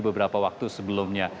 beberapa waktu sebelumnya